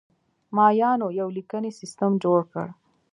مایانو یو لیکنی سیستم جوړ کړ.